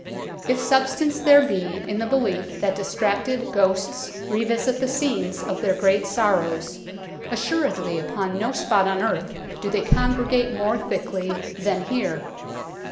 If substance there be in the belief that distracted ghosts revisit the scenes of their great sorrows, assuredly upon no spot on earth do they congregate more thickly than here.